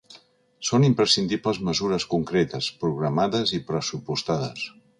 Són imprescindibles mesures concretes, programades i pressupostades.